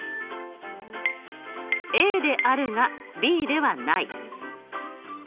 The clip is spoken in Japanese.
ＡであるがＢではない。